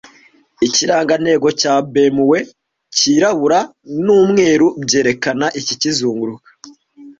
Ikirangantego cya BMW cyirabura n'umweru byerekana iki kizunguruka